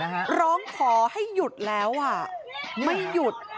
ร้องขอให้หยุดแล้วอ่ะไม่หยุด